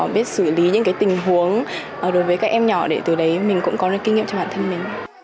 biết xử lý những tình huống đối với các em nhỏ để từ đấy mình cũng có những kinh nghiệm cho bản thân mình